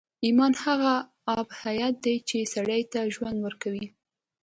ایمان هغه آب حیات دی چې سړي ته ژوند ورکوي